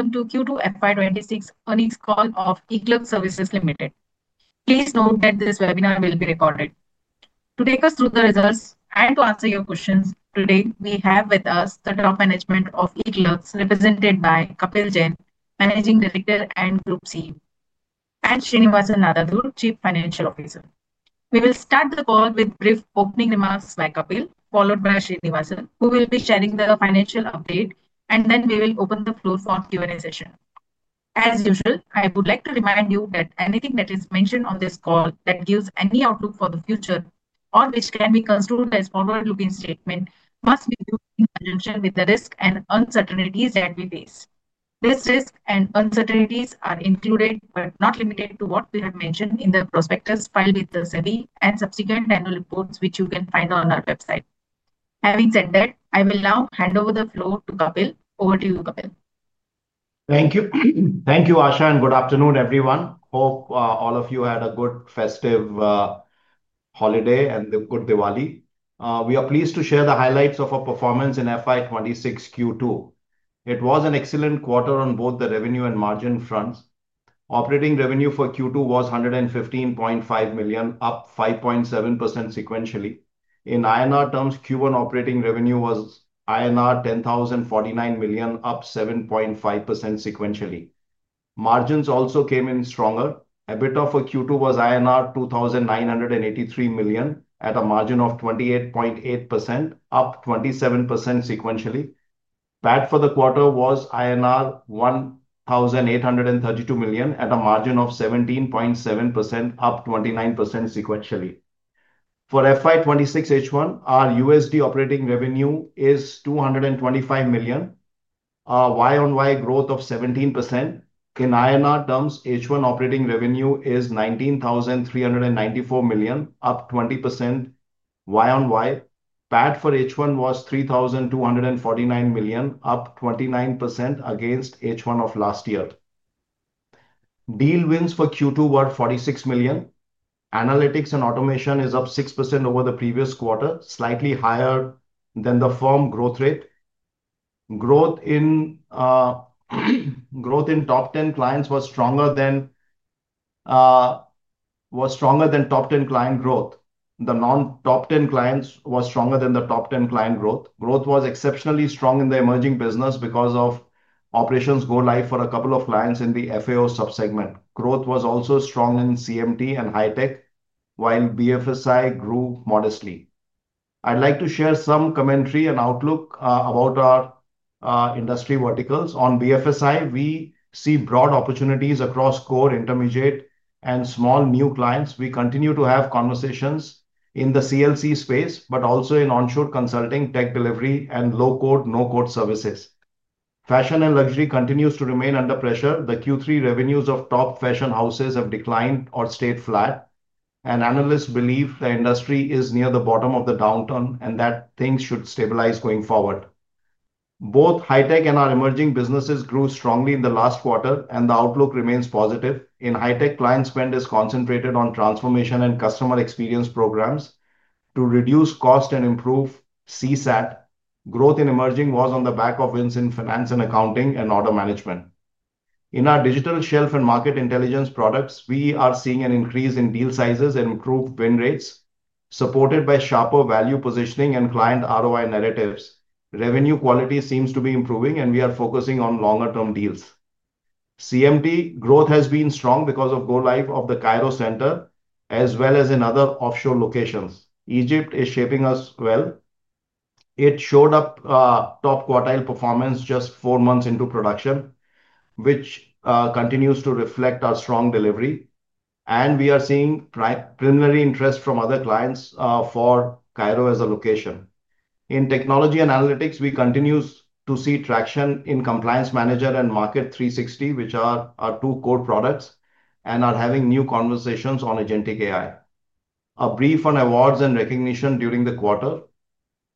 Welcome to Q2 FY26 earnings call of eClerx Services Limited. Please note that this webinar will be recorded. To take us through the results and to answer your questions, today we have with us the top management of eClerx, represented by Kapil Jain, Managing Director and Group CEO, and Srinivasan Nadadhur, Chief Financial Officer. We will start the call with brief opening remarks by Kapil, followed by Srinivasan, who will be sharing the financial update, and then we will open the floor for Q&A session. As usual, I would like to remind you that anything that is mentioned on this call that gives any outlook for the future or which can be construed as a forward-looking statement must be viewed in conjunction with the risks and uncertainties that we face. These risks and uncertainties are included but not limited to what we have mentioned in the prospectus filed with the SEBI and subsequent annual reports, which you can find on our website. Having said that, I will now hand over the floor to Kapil. Over to you, Kapil. Thank you. Thank you, Asha, and good afternoon, everyone. Hope all of you had a good festive holiday and a good Diwali. We are pleased to share the highlights of our performance in Q2 FY 2026. It was an excellent quarter on both the revenue and margin fronts. Operating revenue for Q2 was $115.5 million, up 5.7% sequentially. In INR terms, Q2 operating revenue was INR 10,049 million, up 7.5% sequentially. Margins also came in stronger. EBITDA for Q2 was INR 2,983 million at a margin of 28.8%, up 27% sequentially. PAT for the quarter was INR 1,832 million at a margin of 17.7%, up 29% sequentially. For H1 FY26, our USD operating revenue is $225 million. Our year-on-year growth is 17%. In INR terms, H1 operating revenue is 19,394 million, up 20%. Year-on-year PAT for H1 was 3,249 million, up 29% against H1 of last year. Deal wins for Q2 were $46 million. Analytics and Automation is up 6% over the previous quarter, slightly higher than the firm growth rate. Growth in non-top 10 clients was stronger than top 10 client growth. Growth was exceptionally strong in the emerging business because of operations go live for a couple of clients in the FAO subsegment. Growth was also strong in CMT and high tech, while BFSI grew modestly. I'd like to share some commentary and outlook about our industry verticals. On BFSI, we see broad opportunities across core, intermediate, and small new clients. We continue to have conversations in the CLC space, but also in onshore consulting, tech delivery, and low-code, no-code services. Fashion and Luxury continue to remain under pressure. The Q3 revenues of top fashion houses have declined or stayed flat, and analysts believe the industry is near the bottom of the downturn and that things should stabilize going forward. Both high tech and our emerging businesses grew strongly in the last quarter, and the outlook remains positive. In high tech, client spend is concentrated on transformation and customer experience programs to reduce cost and improve CSAT. Growth in emerging was on the back of wins in Finance and Accounting and order management. In our digital shelf and market intelligence products, we are seeing an increase in deal sizes and improved win rates, supported by sharper value positioning and client ROI narratives. Revenue quality seems to be improving, and we are focusing on longer-term deals. CMT growth has been strong because of go live of the Cairo center, as well as in other offshore locations. Egypt is shaping up well. It showed up top-quartile performance just four months into production, which continues to reflect our strong delivery. We are seeing preliminary interest from other clients for Cairo as a location. In technology and analytics, we continue to see traction in Compliance Manager and Market 360, which are our two core products and are having new conversations on agentic AI. A brief on awards and recognition during the quarter.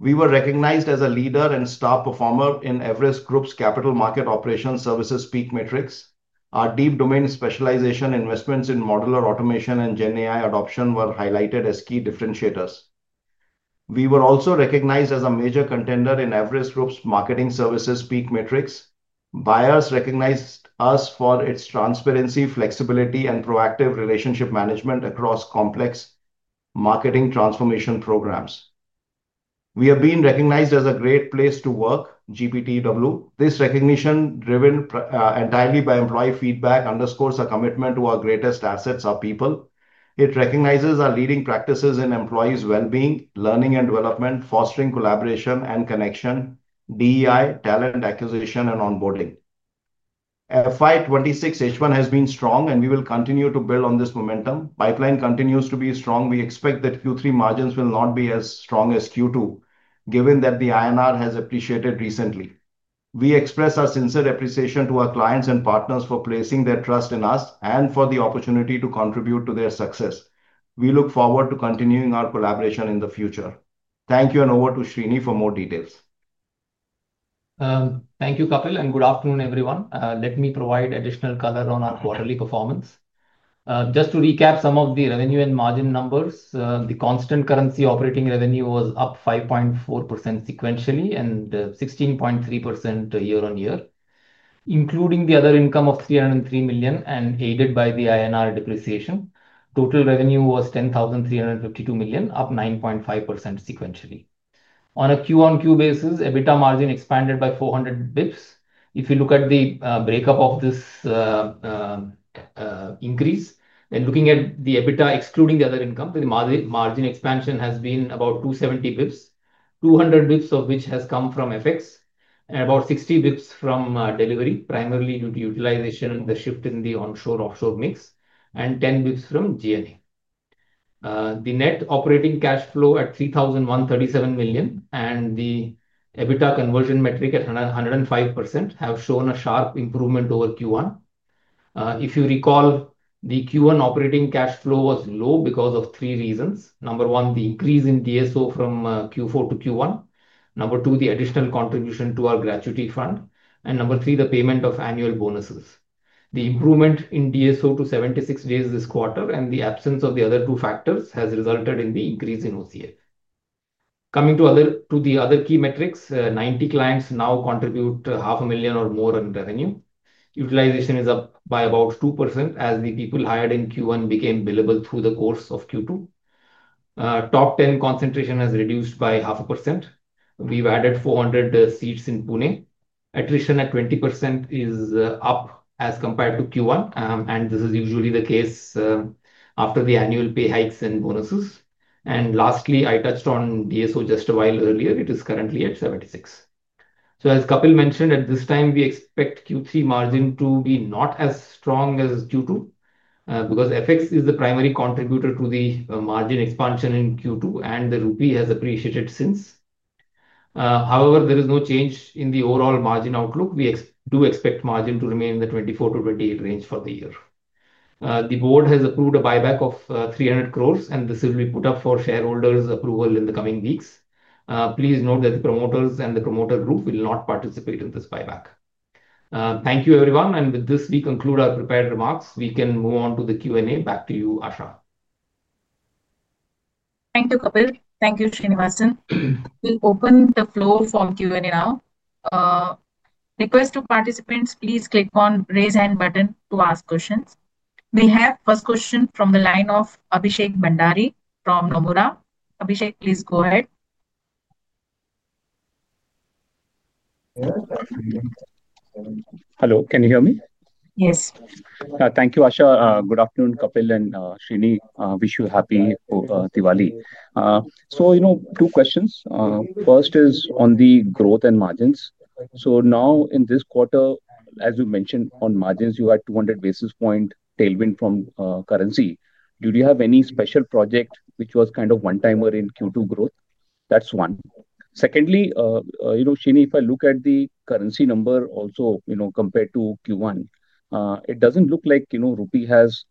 We were recognized as a leader and star performer in Everest Group's Capital Market Operations Services PEAK Matrix. Our deep domain specialization, investments in modular automation, and GenAI adoption were highlighted as key differentiators. We were also recognized as a major contender in Everest Group's Marketing Services PEAK Matrix. Buyers recognized us for our transparency, flexibility, and proactive relationship management across complex marketing transformation programs. We have been recognized as a Great Place to Work, GBTW. This recognition, driven entirely by employee feedback, underscores our commitment to our greatest assets, our people. It recognizes our leading practices in employees' well-being, learning and development, fostering collaboration and connection, DEI, talent acquisition, and onboarding. FY 2026 H1 has been strong, and we will continue to build on this momentum. Pipeline continues to be strong. We expect that Q3 margins will not be as strong as Q2, given that the INR has appreciated recently. We express our sincere appreciation to our clients and partners for placing their trust in us and for the opportunity to contribute to their success. We look forward to continuing our collaboration in the future. Thank you and over to Srini for more details. Thank you, Kapil, and good afternoon, everyone. Let me provide additional color on our quarterly performance. Just to recap some of the revenue and margin numbers, the constant currency operating revenue was up 5.4% sequentially and 16.3% year-on-year, including the other income of 303 million and aided by the INR depreciation. Total revenue was 10,352 million, up 9.5% sequentially. On a Q-on-Q basis, EBITDA margin expanded by 400 bps. If you look at the breakup of this increase, then looking at the EBITDA excluding the other income, the margin expansion has been about 270 bps, 200 bps of which has come from FX and about 60 bps from delivery, primarily due to utilization and the shift in the onshore/offshore mix, and 10 bps from GNA. The net operating cash flow at 3,137 million and the EBITDA conversion metric at 105% have shown a sharp improvement over Q1. If you recall, the Q1 operating cash flow was low because of three reasons. Number one, the increase in DSO from Q4 to Q1. Number two, the additional contribution to our gratuity fund. Number three, the payment of annual bonuses. The improvement in DSO to 76 days this quarter and the absence of the other two factors has resulted in the increase in OCF. Coming to the other key metrics, 90 clients now contribute half a million or more in revenue. Utilization is up by about 2% as the people hired in Q1 became billable through the course of Q2. Top 10 concentration has reduced by half a percent. We've added 400 seats in Pune. Attrition at 20% is up as compared to Q1, and this is usually the case after the annual pay hikes and bonuses. I touched on DSO just a while earlier. It is currently at 76. As Kapil mentioned, at this time, we expect Q3 margin to be not as strong as Q2 because FX is the primary contributor to the margin expansion in Q2, and the Rupee has appreciated since. However, there is no change in the overall margin outlook. We do expect margin to remain in the 24%-28% range for the year. The board has approved a buyback of 3,000 million, and this will be put up for shareholders' approval in the coming weeks. Please note that the promoters and the promoter group will not participate in this buyback. Thank you, everyone. With this, we conclude our prepared remarks. We can move on to the Q&A. Back to you, Asha. Thank you, Kapil. Thank you, Srinivasan. We'll open the floor for Q&A now. Request to participants, please click on the raise hand button to ask questions. We have a first question from the line of Abhishek Bhandari from Nomura. Abhishek, please go ahead. Hello. Can you hear me? Yes. Thank you, Asha. Good afternoon, Kapil and Srini. Wish you a happy Diwali. Two questions. First is on the growth and margins. In this quarter, as you mentioned, on margins, you had 200 basis point tailwind from currency. Do you have any special project which was kind of one-timer in Q2 growth? That's one. Secondly, Shrini, if I look at the currency number also, compared to Q1, it doesn't look like Rupee has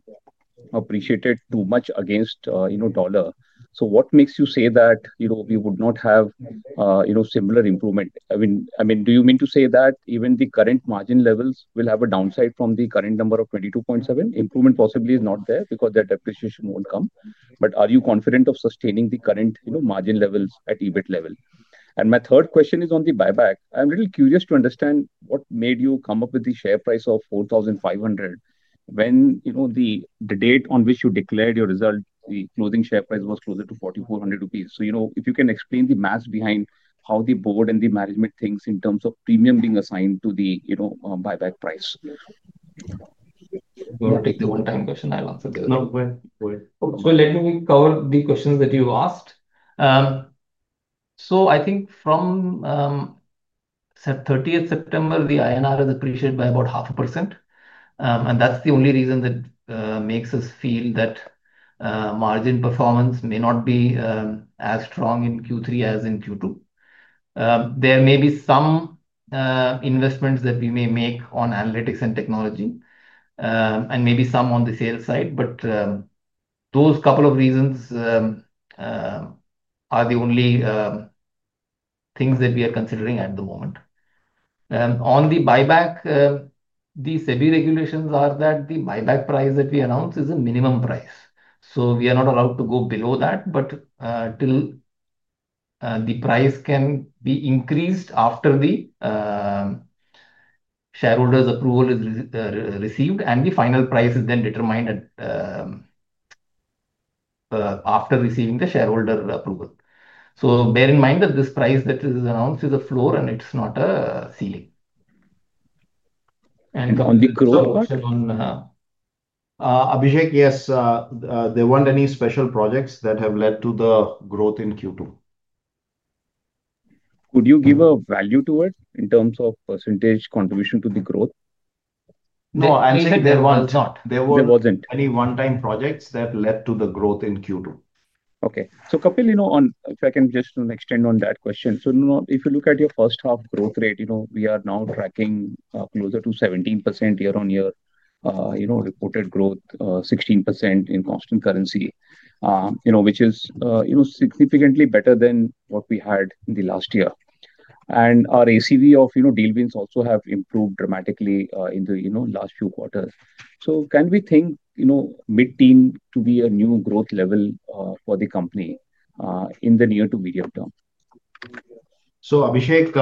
appreciated too much against dollar. What makes you say that we would not have similar improvement? Do you mean to say that even the current margin levels will have a downside from the current number of 22.7%? Improvement possibly is not there because that depreciation won't come. Are you confident of sustaining the current margin levels at EBIT level? My third question is on the buyback. I'm really curious to understand what made you come up with the share price of 4,500 when the date on which you declared your results, the closing share price was closer to 4,400 rupees. If you can explain the math behind how the board and the management thinks in terms of premium being assigned to the buyback price. Go ahead and take the one-time question. I'll answer this. Go ahead. Go ahead. Let me cover the questions that you asked. I think from 30th September, the INR has appreciated by about 0.5%. That's the only reason that makes us feel that margin performance may not be as strong in Q3 as in Q2. There may be some investments that we may make on Analytics and Automation and technology and maybe some on the sales side, but those couple of reasons are the only things that we are considering at the moment. On the buyback, the SEBI regulations are that the buyback price that we announce is a minimum price. We are not allowed to go below that, but the price can be increased after the shareholders' approval is received, and the final price is then determined after receiving the shareholder approval. Bear in mind that this price that is announced is a floor and it's not a ceiling. On the growth. Abhishek, yes, there weren't any special projects that have led to the growth in Q2. Could you give a value to it in terms of percentage contribution to the growth? No, I'm saying there weren't. There weren't any one-time projects that led to the growth in Q2. Okay. Kapil, if I can just extend on that question. If you look at your first half growth rate, we are now tracking closer to 17% year-on-year reported growth, 16% in constant currency, which is significantly better than what we had in the last year. Our ACV of deal wins also have improved dramatically in the last few quarters. Can we think mid-teens to be a new growth level for the company in the near to medium term? Abhishek,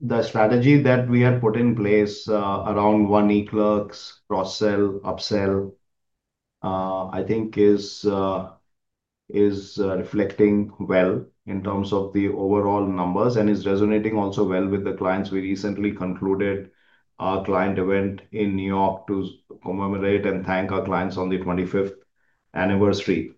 the strategy that we have put in place around one eClerx cross-sell, upsell, I think is reflecting well in terms of the overall numbers and is resonating also well with the clients. We recently concluded our client event in New York to commemorate and thank our clients on the 25th anniversary.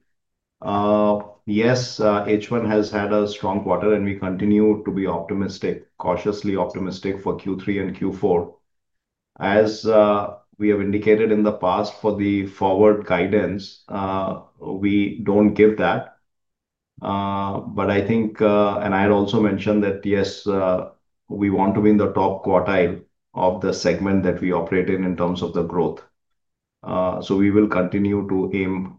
H1 has had a strong quarter, and we continue to be optimistic, cautiously optimistic for Q3 and Q4. As we have indicated in the past for the forward guidance, we don't give that. I think, and I had also mentioned that, yes, we want to be in the top quartile of the segment that we operate in in terms of the growth. We will continue to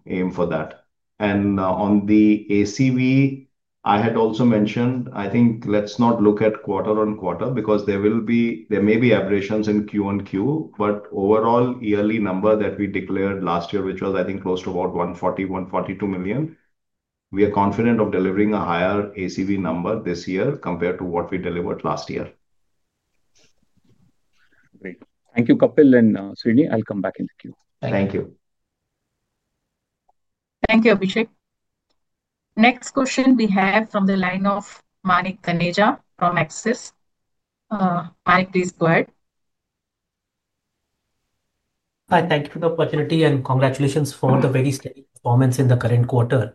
aim for that. On the ACV, I had also mentioned, I think let's not look at quarter on quarter because there will be, there may be aberrations in Q1Q, but overall yearly number that we declared last year, which was, I think, close to about $140 million, $142 million, we are confident of delivering a higher ACV number this year compared to what we delivered last year. Great. Thank you, Kapil and Srinivasan. I'll come back in the queue. Thank you. Thank you, Abhishek. Next question we have from the line of Manik Taneja from Axis. Manik, please go ahead. Hi. Thank you for the opportunity and congratulations for the very steady performance in the current quarter.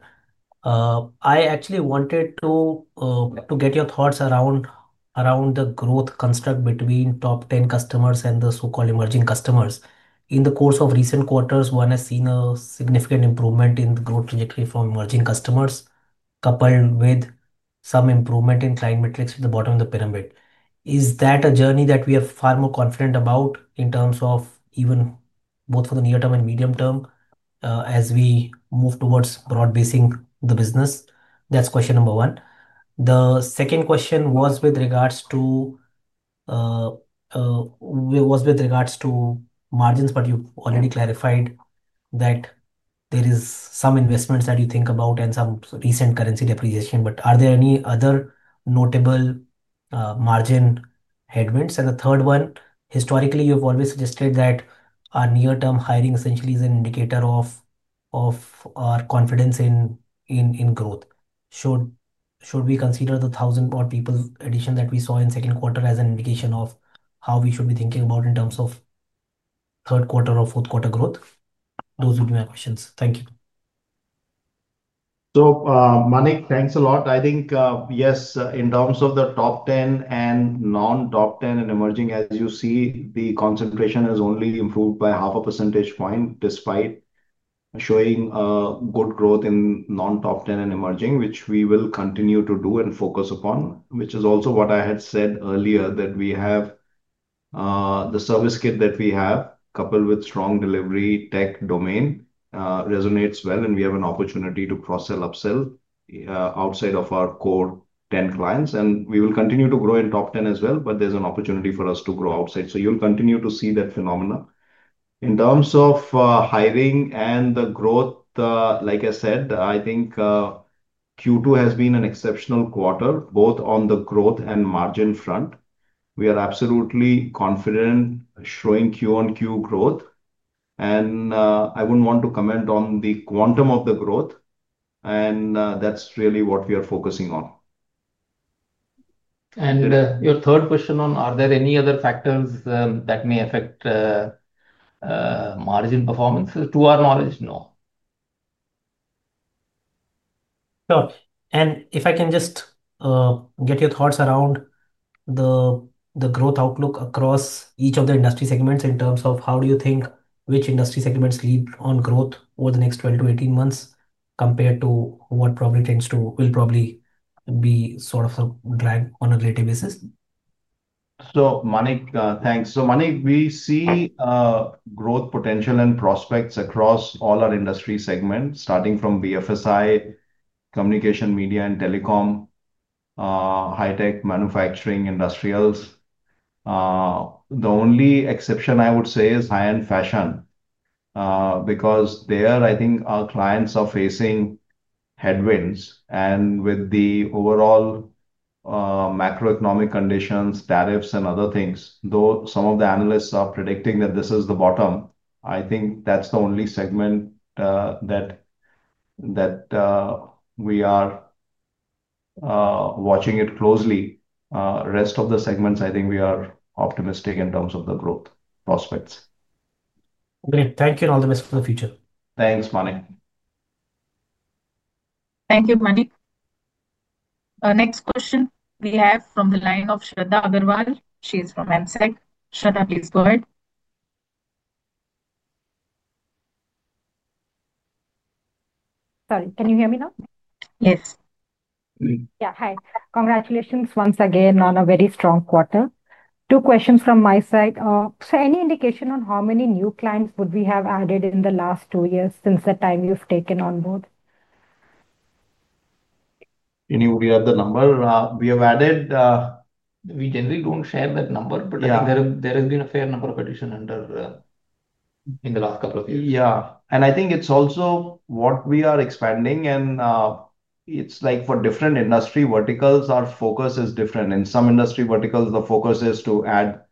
I actually wanted to get your thoughts around the growth construct between top 10 customers and the so-called emerging customers. In the course of recent quarters, one has seen a significant improvement in the growth trajectory from emerging customers, coupled with some improvement in client metrics at the bottom of the pyramid. Is that a journey that we are far more confident about in terms of even both for the near term and medium term as we move towards broad-basing the business? That's question number one. The second question was with regards to margins, you've already clarified that there are some investments that you think about and some recent currency depreciation, but are there any other notable margin headwinds? The third one, historically, you have always suggested that our near-term hiring essentially is an indicator of our confidence in growth. Should we consider the 1,000-people addition that we saw in the second quarter as an indication of how we should be thinking about in terms of third quarter or fourth quarter growth? Those would be my questions. Thank you. Thank you, Manik. Yes, in terms of the top 10 and non-top 10 and emerging, as you see, the concentration has only improved by 0.5% despite showing good growth in non-top 10 and emerging, which we will continue to do and focus upon, which is also what I had said earlier, that we have the service kit that we have, coupled with strong delivery tech domain, resonates well, and we have an opportunity to cross-sell, upsell outside of our core 10 clients. We will continue to grow in top 10 as well, but there's an opportunity for us to grow outside. You'll continue to see that phenomenon. In terms of hiring and the growth, like I said, I think Q2 has been an exceptional quarter, both on the growth and margin front. We are absolutely confident showing Q1Q growth. I wouldn't want to comment on the quantum of the growth. That's really what we are focusing on. Your third question on, are there any other factors that may affect margin performance? To our knowledge, no. Sure. If I can just get your thoughts around the growth outlook across each of the industry segments in terms of how do you think which industry segments lead on growth over the next 12 months-18 months compared to what probably tends to will probably be sort of a drag on a relative basis? Manik, we see growth potential and prospects across all our industry segments, starting from BFSI, communication, media, and telecom, high-tech, manufacturing, industrials. The only exception I would say is high-end fashion because there, I think, our clients are facing headwinds. With the overall macroeconomic conditions, tariffs, and other things, though some of the analysts are predicting that this is the bottom, I think that's the only segment that we are watching closely. The rest of the segments, I think we are optimistic in terms of the growth prospects. Great. Thank you and all the best for the future. Thanks, Manik. Thank you, Manik. Next question we have from the line of Shraddha Agarwal. She's from MSCI. Shraddha, please go ahead. Sorry, can you hear me now? Yes. Yeah. Hi. Congratulations once again on a very strong quarter. Two questions from my side. Sir, any indication on how many new clients would we have added in the last two years since the time you've taken on both? Can you read the number? We have added, we generally don't share that number, but I think there has been a fair number of additions in the last couple of years. Yeah. I think it's also what we are expanding, and it's like for different industry verticals, our focus is different. In some industry verticals, the focus is to add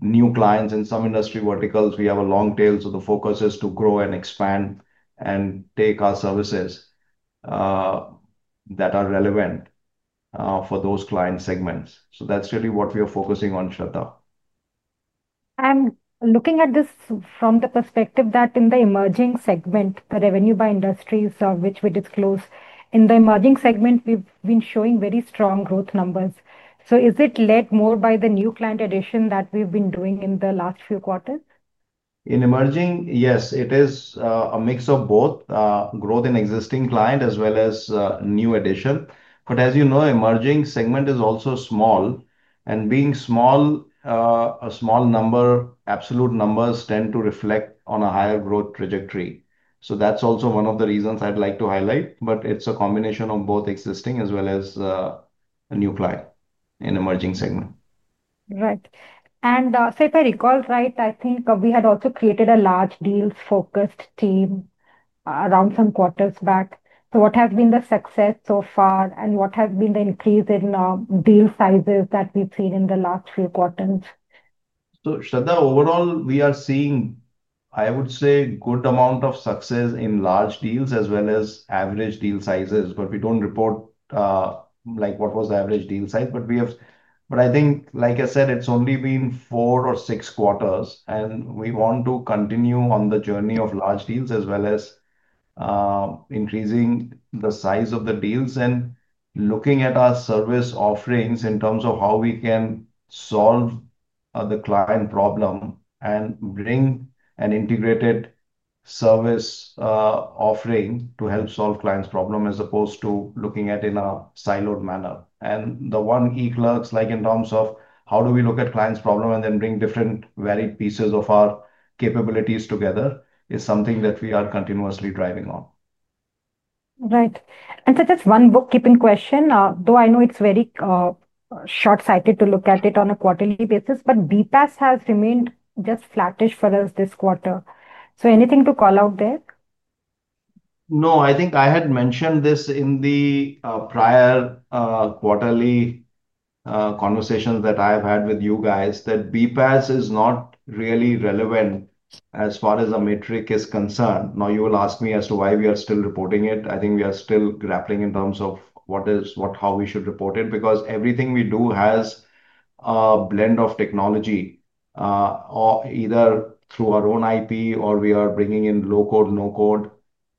new clients. In some industry verticals, we have a long tail, so the focus is to grow and expand and take our services that are relevant for those client segments. That's really what we are focusing on, Shraddha. Looking at this from the perspective that in the emerging segment, the revenue by industry, which we disclose, in the emerging segment, we've been showing very strong growth numbers. Is it led more by the new client addition that we've been doing in the last few quarters? In emerging, yes, it is a mix of both growth in existing clients as well as new addition. As you know, the emerging segment is also small. Being a small number, absolute numbers tend to reflect on a higher growth trajectory. That is also one of the reasons I'd like to highlight. It is a combination of both existing as well as a new client in the emerging segment. Right. If I recall right, I think we had also created a large deals-focused team around some quarters back. What has been the success so far, and what has been the increase in deal sizes that we've seen in the last few quarters? Shraddha, overall, we are seeing, I would say, a good amount of success in large deals as well as average deal sizes. We don't report like what was the average deal size. We have, like I said, it's only been four or six quarters. We want to continue on the journey of large deals as well as increasing the size of the deals and looking at our service offerings in terms of how we can solve the client problem and bring an integrated service offering to help solve clients' problems as opposed to looking at it in a siloed manner. The one eClerx, like in terms of how do we look at clients' problems and then bring different varied pieces of our capabilities together, is something that we are continuously driving on. Right. Just one bookkeeping question, though I know it's very short-sighted to look at it on a quarterly basis, but BPAS has remained just flattish for us this quarter. Anything to call out there? I think I had mentioned this in the prior quarterly conversations that I have had with you guys, that BPAS is not really relevant as far as a metric is concerned. Now, you will ask me as to why we are still reporting it. I think we are still grappling in terms of what is what, how we should report it because everything we do has a blend of technology, either through our own IP or we are bringing in low-code, no-code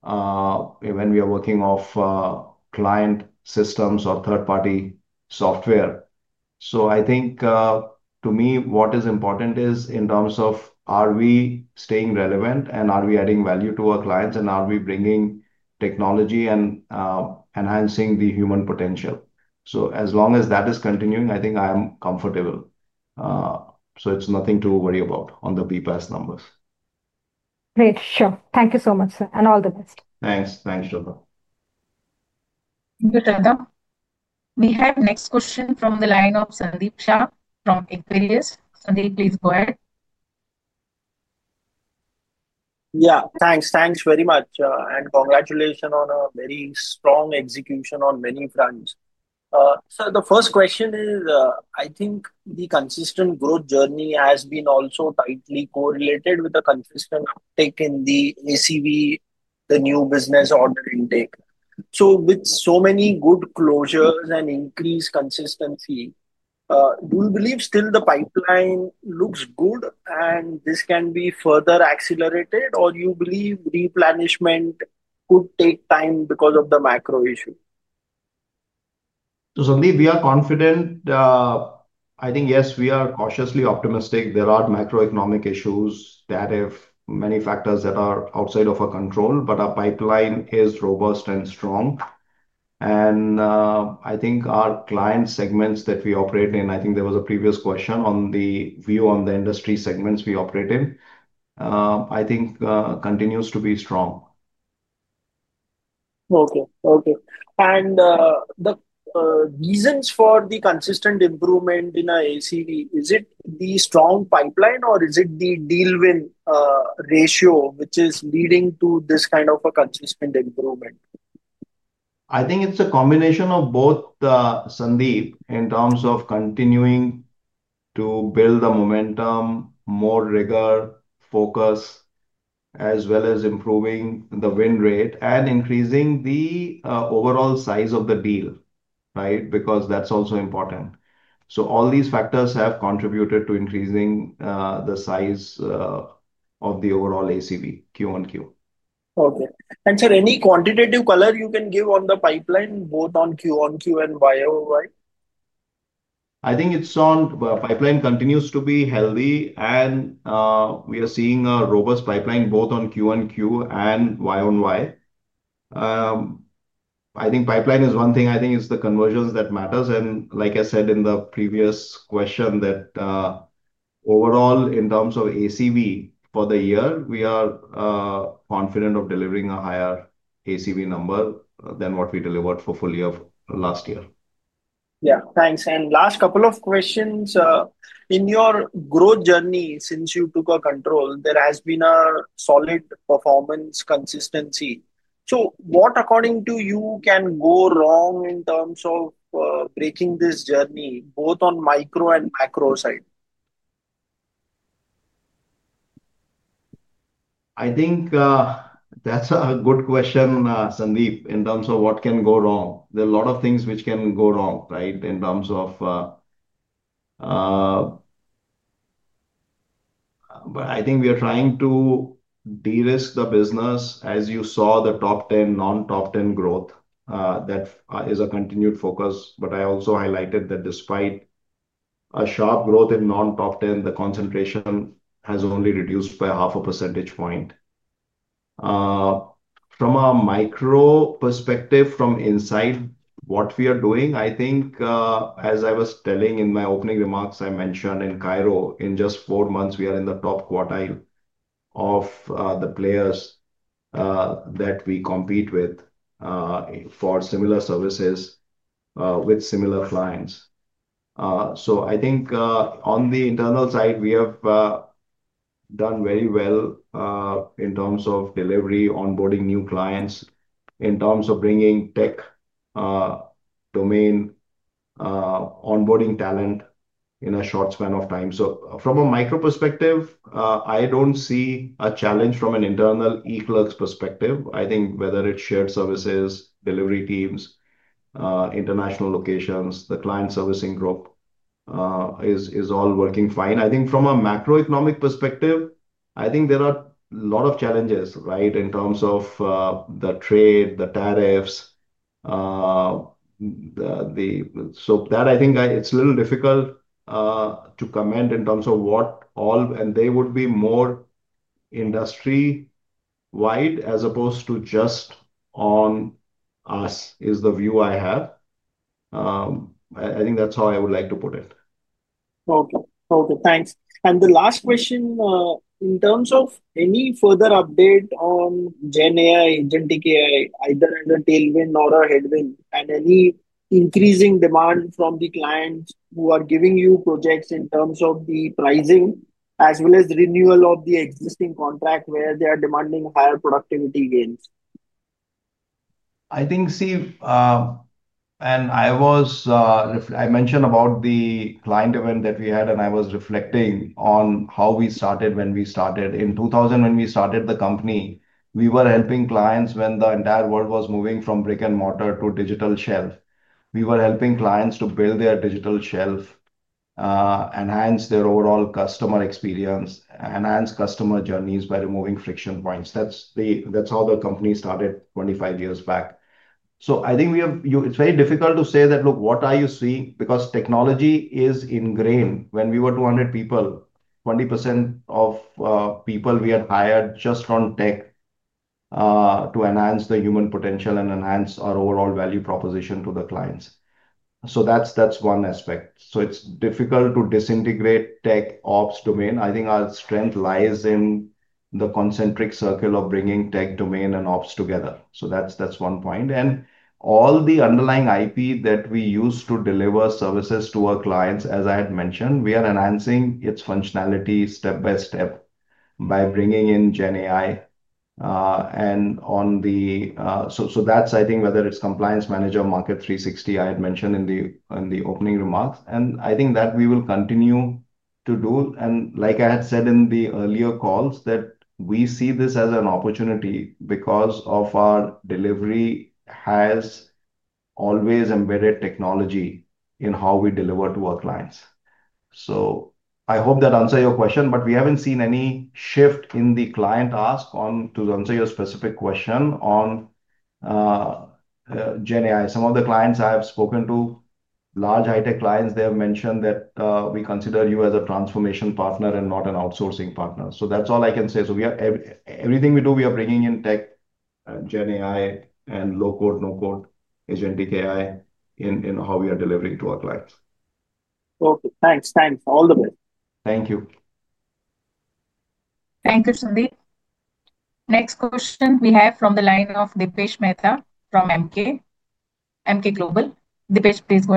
when we are working off client systems or third-party software. I think, to me, what is important is in terms of are we staying relevant and are we adding value to our clients and are we bringing technology and enhancing the human potential. As long as that is continuing, I think I am comfortable. It's nothing to worry about on the BPAS numbers. Great. Sure. Thank you so much, sir, and all the best. Thanks. Thanks, Shraddha. Thank you, Shraddha. We have next question from the line of Sandeep Shah from Equirus. Sandeep, please go ahead. Thanks very much. Congratulations on a very strong execution on many fronts. The first question is, I think the consistent growth journey has been also tightly correlated with a consistent uptake in the ACV, the new business order intake. With so many good closures and increased consistency, do you believe still the pipeline looks good and this can be further accelerated, or do you believe replenishment could take time because of the macro issue? We are confident. Yes, we are cautiously optimistic. There are macroeconomic issues, tariffs, many factors that are outside of our control, but our pipeline is robust and strong. I think our client segments that we operate in, there was a previous question on the view on the industry segments we operate in, continues to be strong. Okay. Okay. The reasons for the consistent improvement in our ACV, is it the strong pipeline or is it the deal win ratio, which is leading to this kind of a consistent improvement? I think it's a combination of both, Sandeep, in terms of continuing to build the momentum, more rigor, focus, as well as improving the win rate and increasing the overall size of the deal, right, because that's also important. All these factors have contributed to increasing the size of the overall ACV, Q1Q. Okay. Sir, any quantitative color you can give on the pipeline, both on Q1Q and YOY? I think the pipeline continues to be healthy, and we are seeing a robust pipeline both on Q1Q and YOY. The pipeline is one thing. It's the conversions that matter. Like I said in the previous question, overall, in terms of ACV for the year, we are confident of delivering a higher ACV number than what we delivered for the full year of last year. Yeah. Thanks. Last couple of questions. In your growth journey, since you took control, there has been a solid performance consistency. What, according to you, can go wrong in terms of breaking this journey, both on micro and macro side? I think that's a good question, Sandeep, in terms of what can go wrong. There are a lot of things which can go wrong, right, in terms of, but I think we are trying to de-risk the business. As you saw, the top 10, non-top 10 growth, that is a continued focus. I also highlighted that despite a sharp growth in non-top 10, the concentration has only reduced by half a % point. From a micro perspective, from inside what we are doing, I think, as I was telling in my opening remarks, I mentioned in Cairo, in just four months, we are in the top quartile of the players that we compete with for similar services with similar clients. I think on the internal side, we have done very well in terms of delivery, onboarding new clients, in terms of bringing tech domain onboarding talent in a short span of time. From a micro perspective, I don't see a challenge from an internal eClerx perspective. I think whether it's shared services, delivery teams, international locations, the client servicing group is all working fine. From a macroeconomic perspective, I think there are a lot of challenges, right, in terms of the trade, the tariffs. I think it's a little difficult to comment in terms of what all, and they would be more industry-wide as opposed to just on us, is the view I have. I think that's how I would like to put it. Okay. Thanks. The last question, in terms of any further update on GenAI, agentic AI, either under tailwind or a headwind, and any increasing demand from the clients who are giving you projects in terms of the pricing, as well as renewal of the existing contract where they are demanding higher productivity gains? I think, as I mentioned about the client event that we had, I was reflecting on how we started. In 2000, when we started the company, we were helping clients when the entire world was moving from brick and mortar to digital shelf. We were helping clients to build their digital shelf, enhance their overall customer experience, enhance customer journeys by removing friction points. That's how the company started 25 years back. I think it's very difficult to say that, look, what are you seeing? Because technology is ingrained. When we were 200 people, 20% of people we had hired just from tech to enhance the human potential and enhance our overall value proposition to the clients. That's one aspect. It's difficult to disintegrate tech ops domain. I think our strength lies in the concentric circle of bringing tech domain and ops together. That's one point. All the underlying IP that we use to deliver services to our clients, as I had mentioned, we are enhancing its functionality step by step by bringing in GenAI. Whether it's Compliance Manager, Market 360, I had mentioned in the opening remarks. I think that we will continue to do. Like I had said in the earlier calls, we see this as an opportunity because our delivery has always embedded technology in how we deliver to our clients. I hope that answers your question, but we haven't seen any shift in the client ask, to answer your specific question on GenAI. Some of the clients I have spoken to, large high-tech clients, have mentioned that we consider you as a transformation partner and not an outsourcing partner. That's all I can say. Everything we do, we are bringing in tech, GenAI, and low-code, no-code agentic AI in how we are delivering to our clients. Okay. Thanks. Thanks. All the best. Thank you. Thank you, Sandeep. Next question we have from the line of Dipesh Mehta from Emkay Global. Dipesh, please go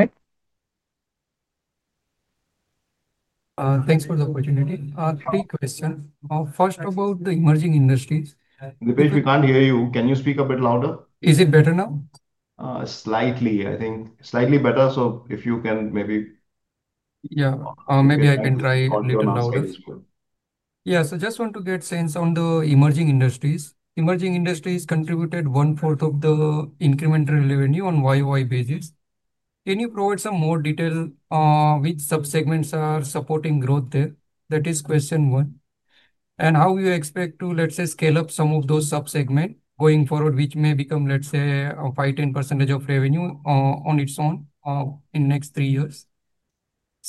ahead. Thanks for the opportunity. Three questions. First, about the emerging industries. Dipesh, we can't hear you. Can you speak a bit louder? Is it better now? Slightly better. If you can maybe. Yeah. Maybe I can try a little louder. Yeah. I just want to get a sense on the emerging industries. Emerging industries contributed one-fourth of the incremental revenue on a YOY basis. Can you provide some more detail on which subsegments are supporting growth there? That is question one. How do you expect to, let's say, scale up some of those subsegments going forward, which may become, let's say, a 5%, 10% of revenue on its own in the next three years?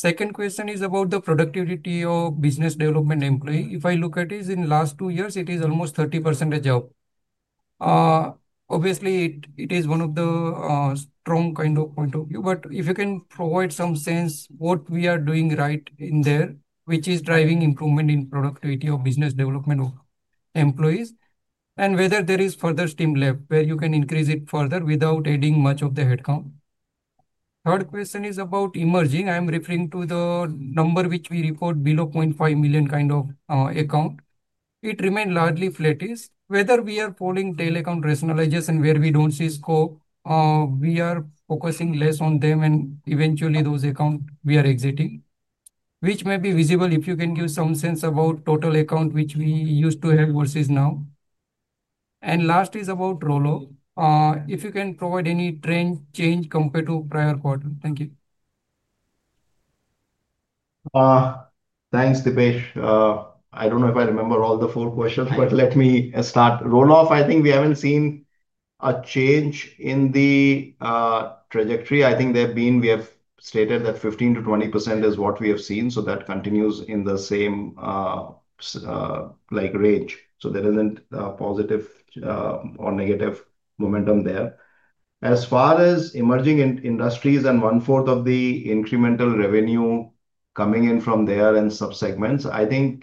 Second question is about the productivity of business development employee. If I look at it in the last two years, it is almost 30% job. Obviously, it is one of the strong kind of point of view. If you can provide some sense of what we are doing right in there, which is driving improvement in productivity of business development of employees, and whether there is further steam left where you can increase it further without adding much of the headcount. Third question is about emerging. I'm referring to the number which we report below $0.5 million kind of account. It remains largely flat. Whether we are pulling tail account rationalizers and where we don't see scope, we are focusing less on them, and eventually, those accounts we are exiting, which may be visible if you can give some sense about total account which we used to have versus now. Last is about rollout. If you can provide any trend change compared to prior quarter. Thank you. Thanks, Dipesh. I don't know if I remember all the four questions, but let me start. Rolloff, I think we haven't seen a change in the trajectory. We have stated that 15%-20% is what we have seen. That continues in the same range, so there isn't a positive or negative momentum there. As far as emerging industries and one-fourth of the incremental revenue coming in from there and subsegments,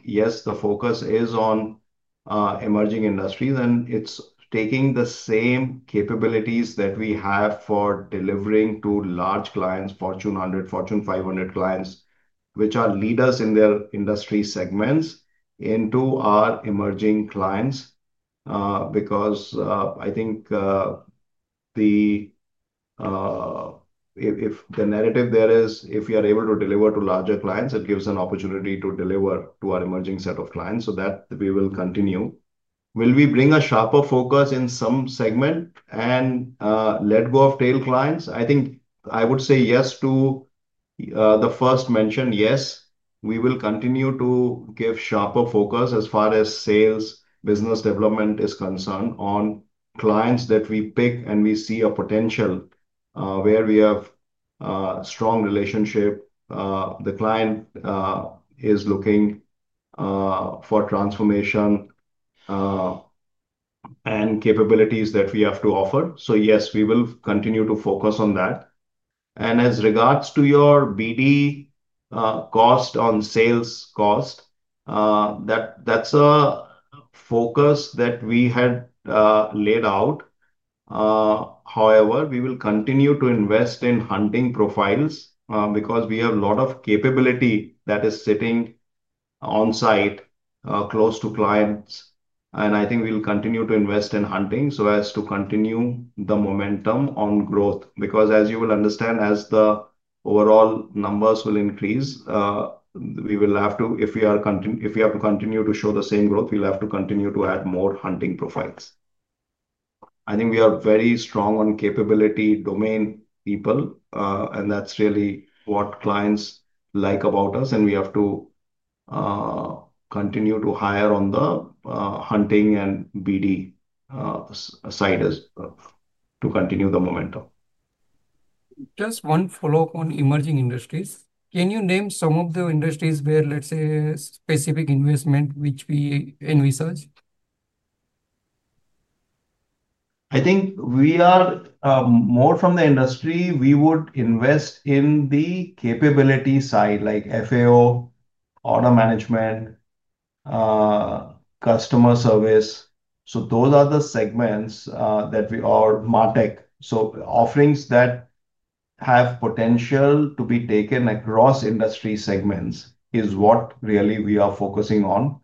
yes, the focus is on emerging industries, and it's taking the same capabilities that we have for delivering to large clients, Fortune 100, Fortune 500 clients, which are leaders in their industry segments, into our emerging clients because if the narrative there is, if we are able to deliver to larger clients, it gives an opportunity to deliver to our emerging set of clients. That we will continue. Will we bring a sharper focus in some segment and let go of tail clients? I would say yes to the first mentioned. Yes, we will continue to give sharper focus as far as sales, business development is concerned on clients that we pick and we see a potential where we have a strong relationship. The client is looking for transformation and capabilities that we have to offer. Yes, we will continue to focus on that. As regards to your BD cost on sales cost, that's a focus that we had laid out. However, we will continue to invest in hunting profiles because we have a lot of capability that is sitting on-site close to clients. I think we'll continue to invest in hunting so as to continue the momentum on growth because, as you will understand, as the overall numbers will increase, if we have to continue to show the same growth, we'll have to continue to add more hunting profiles. I think we are very strong on capability domain people, and that's really what clients like about us. We have to continue to hire on the hunting and BD side to continue the momentum. Just one follow-up on emerging industries. Can you name some of the industries where, let's say, specific investment which we research? I think we are more from the industry. We would invest in the capability side, like FAO, order management, customer service. Those are the segments that we are martech. Offerings that have potential to be taken across industry segments is what really we are focusing on,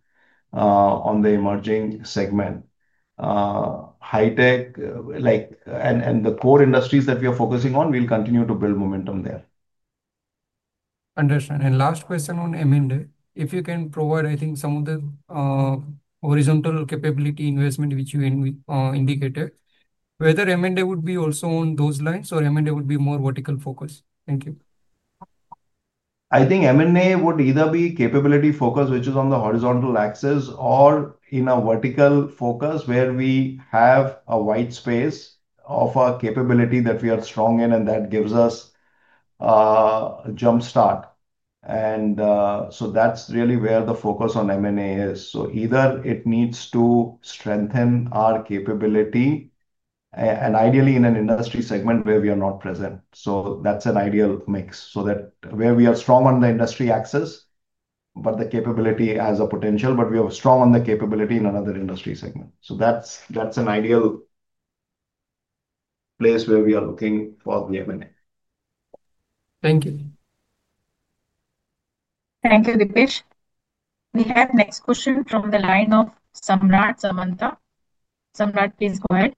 on the emerging segment. High-tech, like and the core industries that we are focusing on, we'll continue to build momentum there. Understood. Last question on M&A. If you can provide, I think, some of the horizontal capability investment which you indicated, whether M&A would be also on those lines or M&A would be more vertical focused. Thank you. I think M&A would either be capability focused, which is on the horizontal axis, or in a vertical focus where we have a white space of a capability that we are strong in, and that gives us a jump start. That's really where the focus on M&A is. It needs to strengthen our capability and ideally in an industry segment where we are not present. That's an ideal mix, where we are strong on the industry axis, but the capability has a potential, but we are strong on the capability in another industry segment. That's an ideal place where we are looking for the M&A. Thank you. Thank you, Dipesh. We have next question from the line of Samrat Samantha. Samrat, please go ahead.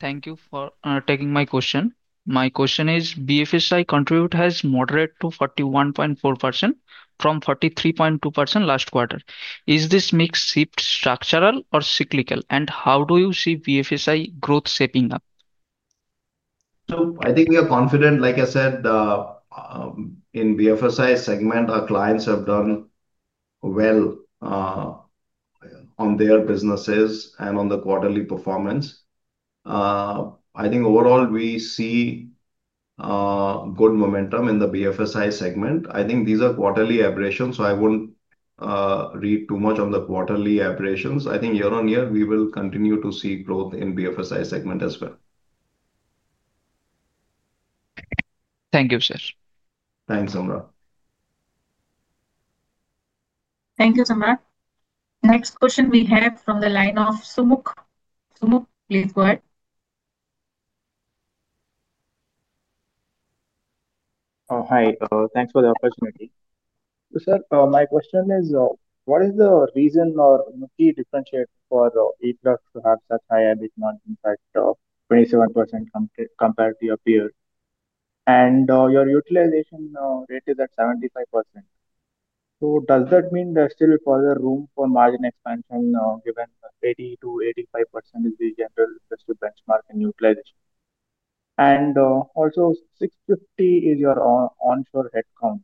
Thank you for taking my question. My question is, BFSI contribute has moderated to 41.4% from 43.2% last quarter. Is this mix shift structural or cyclical? How do you see BFSI growth shaping up? I think we are confident. Like I said, in the BFSI segment, our clients have done well on their businesses and on the quarterly performance. I think overall we see good momentum in the BFSI segment. I think these are quarterly aberrations, so I won't read too much on the quarterly aberrations. I think year-on-year, we will continue to see growth in the BFSI segment as well. Thank you, sir. Thanks, Samrat. Thank you, Samrat. Next question we have from the line of Sumukh. Sumukh, please go ahead. Oh, hi. Thanks for the opportunity. Sir, my question is, what is the reason or key differentiator for eClerx to have such high EBITDA margin? In fact, 27% compared to your peers. Your utilization rate is at 75%. Does that mean there's still further room for margin expansion given 80%- 85% is the general industry benchmark in utilization? Also, 650 is your onshore headcount.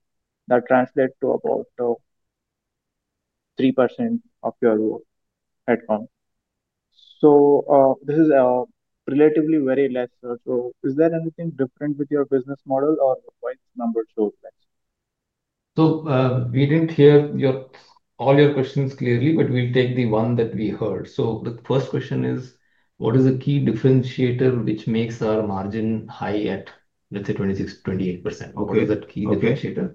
That translates to about 3% of your headcount. This is relatively very less. Is there anything different with your business model or why this number shows less? We didn't hear all your questions clearly, but we'll take the one that we heard. The first question is, what is the key differentiator which makes our margin high at, let's say, 26%-28%? What is that key differentiator?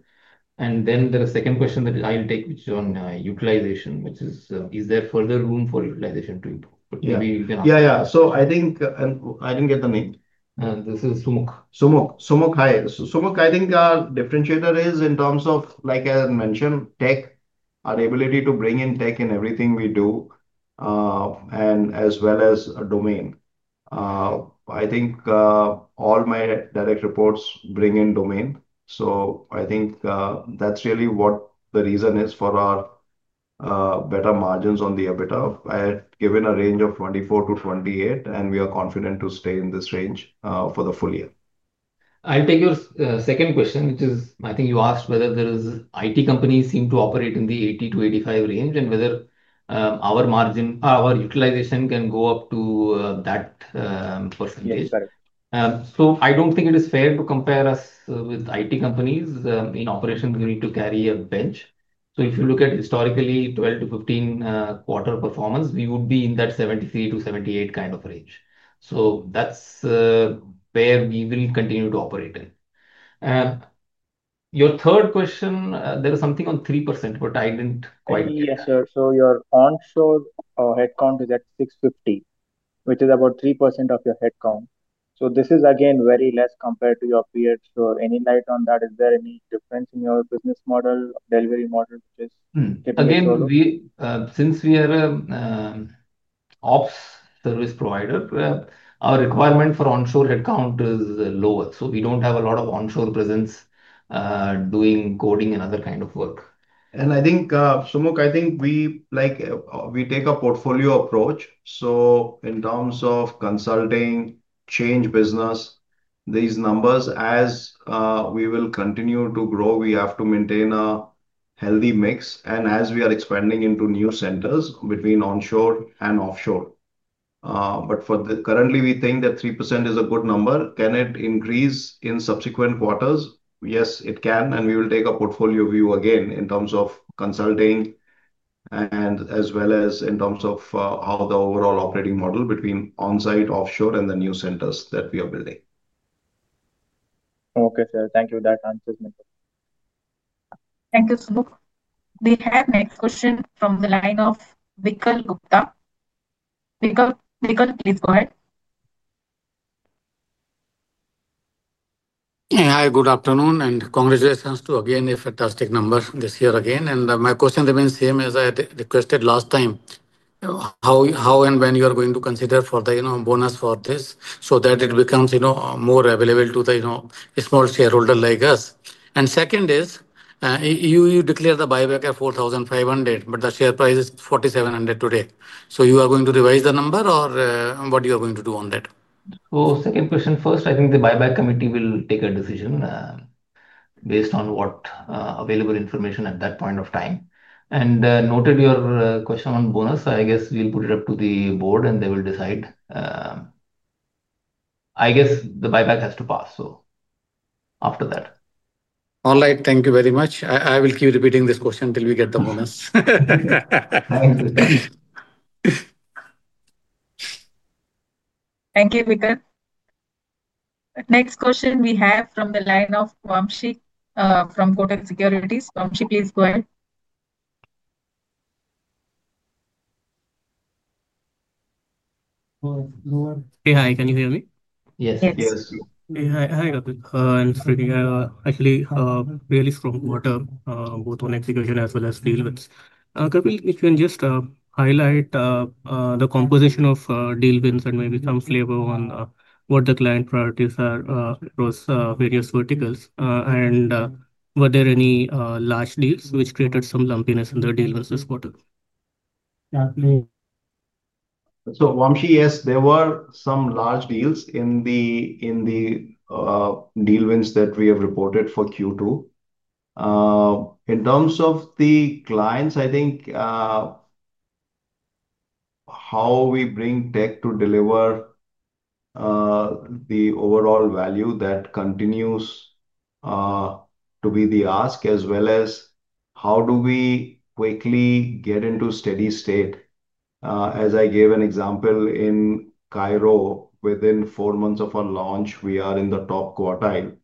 There's a second question that I'll take, which is on utilization, which is, is there further room for utilization to improve? Maybe you can answer. I think, and I didn't get the name. This is Sumukh. Sumukh, hi. Sumukh, I think our differentiator is in terms of, like I had mentioned, tech, our ability to bring in tech in everything we do, and as well as a domain. I think all my direct reports bring in domain. I think that's really what the reason is for our better margins on the EBITDA. I had given a range of 24%-28%, and we are confident to stay in this range for the full year. I'll take your second question, which is, I think you asked whether there are IT companies that seem to operate in the 80%-85% range and whether our margin, our utilization can go up to that percentage. Yes, correct. I don't think it is fair to compare us with IT companies. In operations, we need to carry a bench. If you look at historically 12-15 quarter performance, we would be in that 73%-78% kind of range. That's where we will continue to operate in. Your third question, there was something on 3%, but I didn't quite. Yes, sir. Your onshore headcount is at 650, which is about 3% of your headcount. This is, again, very less compared to your peers. Any light on that? Is there any difference in your business model, delivery model, which is typical? Again, since we are an ops service provider, our requirement for onshore headcount is lower. We don't have a lot of onshore presence doing coding and other kinds of work. I think, Sumukh, we take a portfolio approach. In terms of consulting, change business, these numbers, as we will continue to grow, we have to maintain a healthy mix. As we are expanding into new centers between onshore and offshore, for the current period, we think that 3% is a good number. Can it increase in subsequent quarters? Yes, it can. We will take a portfolio view again in terms of consulting and as well as in terms of how the overall operating model between onsite, offshore, and the new centers that we are building. Okay, sir. Thank you. That answers me. Thank you, Sumukh. We have next question from the line of Vikkal Gupta. Vikkal, please go ahead. Hi. Good afternoon. Congratulations to, again, a fantastic number this year again. My question remains the same as I had requested last time. How and when you are going to consider for the bonus for this so that it becomes more available to the small shareholder like us? Second is, you declared the buyback at 4,500, but the share price is 4,700 today. Are you going to revise the number or what are you going to do on that? Oh. Second question. First, I think the buyback committee will take a decision based on what available information at that point of time. I noted your question on bonus. I guess we'll put it up to the board and they will decide. I guess the buyback has to pass, after that. All right. Thank you very much. I will keep repeating this question until we get the bonus. Thank you, Vikkal. Next question we have from the line of Kamesh from Kotak Securities. Kamesh, please go ahead. Hello. Hi. Can you hear me? Yes. Yes. Hi, Kamesh. I'm speaking actually really strong quarter, both on execution as well as deal wins. Kwamshik, if you can just highlight the composition of deal wins and maybe some flavor on what the client priorities are across various verticals and were there any large deals which created some lumpiness in the deal versus quarter? Kamesh, yes, there were some large deals in the deal wins that we have reported for Q2. In terms of the clients, I think how we bring tech to deliver the overall value that continues to be the ask, as well as how do we quickly get into steady state. As I gave an example, in Cairo, within four months of our launch, we are in the top quartile.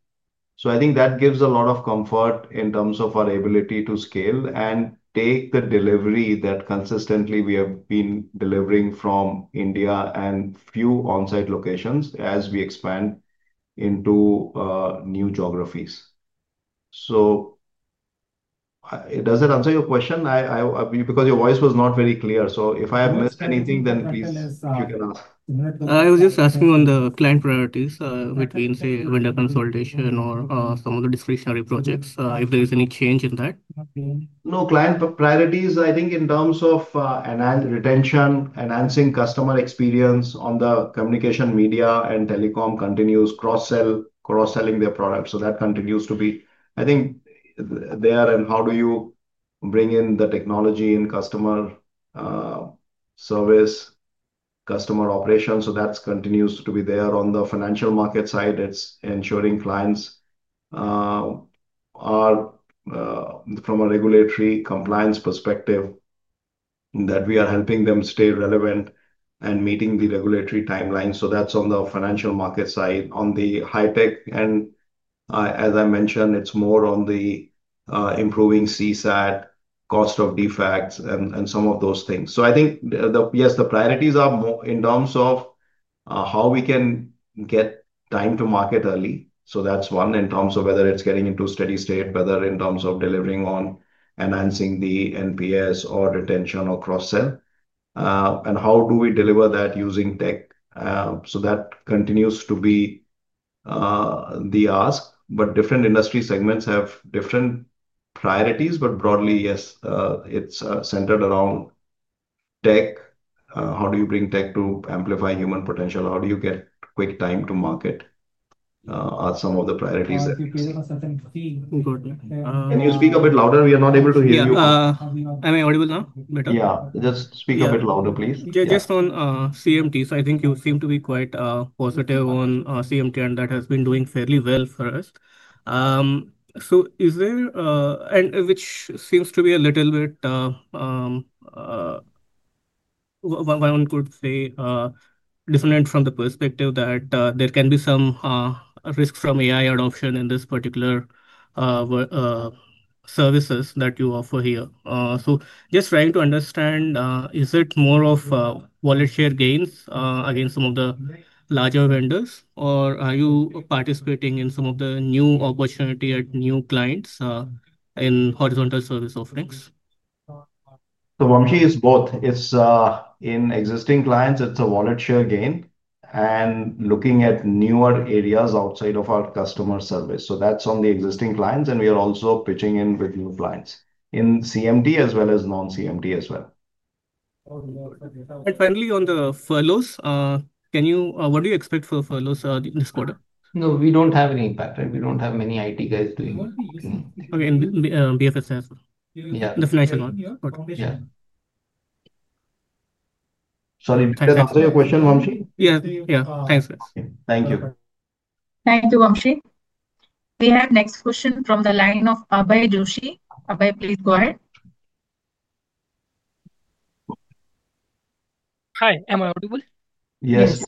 I think that gives a lot of comfort in terms of our ability to scale and take the delivery that consistently we have been delivering from India and few onsite locations as we expand into new geographies. Does that answer your question? Your voice was not very clear. If I have missed anything, then please, if you can ask. I was just asking on the client priorities between, say, vendor consolidation or some of the discretionary projects, if there is any change in that. No, client priorities, I think in terms of retention, enhancing customer experience on the Communications, Media & Telecom continues, cross-sell, cross-selling their products. That continues to be, I think, there. How do you bring in the technology in customer service, customer operations? That continues to be there. On the financial market side, it's ensuring clients are, from a regulatory compliance perspective, that we are helping them stay relevant and meeting the regulatory timelines. That's on the financial market side. On the high-tech, and as I mentioned, it's more on improving CSAT, cost of defects, and some of those things. I think, yes, the priorities are more in terms of how we can get time to market early. That's one in terms of whether it's getting into steady state, whether in terms of delivering on, enhancing the NPS or retention or cross-sell, and how do we deliver that using tech. That continues to be the ask. Different industry segments have different priorities. Broadly, yes, it's centered around tech. How do you bring tech to amplify human potential? How do you get quick time to market are some of the priorities there. Can you speak a bit louder? We are not able to hear you. I'm audible now. Better. Yeah, just speak a bit louder, please. Just on CMT. I think you seem to be quite positive on CMT, and that has been doing fairly well for us. Is there, and which seems to be a little bit, one could say, different from the perspective that there can be some risks from AI adoption in these particular services that you offer here. I'm just trying to understand, is it more of wallet share gains against some of the larger vendors, or are you participating in some of the new opportunity at new clients in horizontal service offerings? Kamesh is both. It's in existing clients, it's a wallet share gain, and looking at newer areas outside of our customer service. That's on the existing clients, and we are also pitching in with new clients in CMT as well as non-CMT as well. Finally, on the furloughs, can you, what do you expect for furloughs this quarter? No, we don't have any impact, right? We don't have many IT guys doing it. Okay. BFSI as well? Yeah. The financial one? Yeah. Got it. Yeah. Sorry. Can I answer your question, Kwamshik? Yeah, yeah. Thanks, guys. Thank you. Thank you, Kamesh. We have next question from the line of Abai Joshi. Abai, please go ahead. Hi, am I audible? Yes.